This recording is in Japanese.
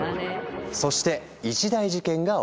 そして一大事件が起きる。